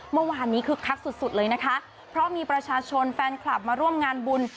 เมื่อวานนี้คึกคักสุดสุดเลยนะคะเพราะมีประชาชนแฟนคลับมาร่วมงานบุญ